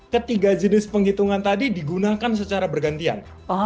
ketiga jenis penghitungan tadi digunakan secara bergantian